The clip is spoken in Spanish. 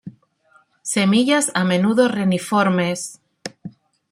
Semillas a menudo reniformes.